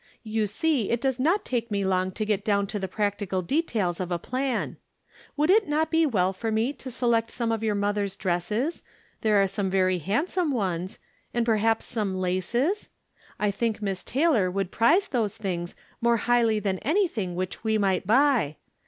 You see it does not take me long to get down to the practical details of a plan. Would it not be well for me to select some of your mother's dresses — there are some very handsome ones — and perhaps some laces ? I think Miss Taylor would prize those things more highly than anything which we might buy.